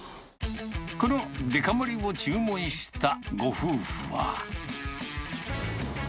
このデカ盛りを注文したご夫婦は。